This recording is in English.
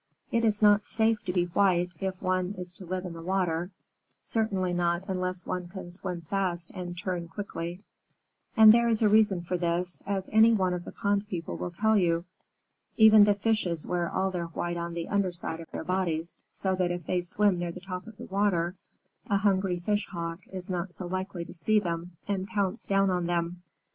It is not safe to be white if one is to live in the water; certainly not unless one can swim fast and turn quickly. And there is a reason for this, as any one of the pond people will tell you. Even the fishes wear all their white on the under side of their bodies, so that if they swim near the top of the water, a hungry Fish Hawk is not so likely to see them and pounce down on them.